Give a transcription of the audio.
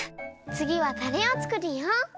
つぎはたれをつくるよ！